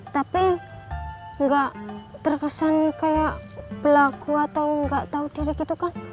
tapi gak terkesan kayak pelaku atau gak tau diri gitu kan